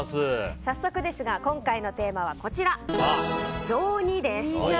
早速ですが今回のテーマは雑煮です。